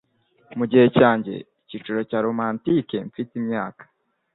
mugihe cyanjye "Icyiciro cya romantique" mfite imyaka